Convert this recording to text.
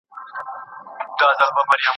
اسلامي ګوند له کمونست ګوند سره اختلاف لري.